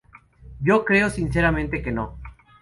Yo creo sinceramente que no.